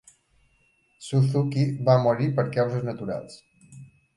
Suzuki va morir per causes naturals.